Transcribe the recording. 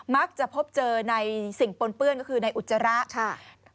มักจะพบเจอในสิ่งปนเปื้อนก็คือในอุจจาระค่ะ